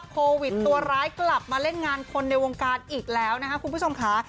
โควิดตัวร้ายกลับมาเล่นงานคนในวงการอีกแล้วนะคะคุณผู้ชมค่ะ